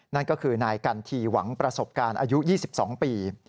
นั่นก็คือนายกันทีหวังประสบการณ์อายุ๒๒ปี